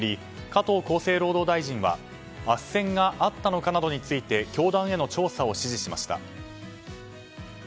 加藤厚生労働大臣はあっせんがあったのかなどについて教団への調査を指示しました。